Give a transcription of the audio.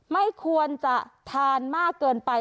ไม่ควรจะทานมากเกินไป